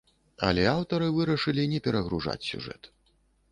Але аўтары вырашылі не перагружаць сюжэт.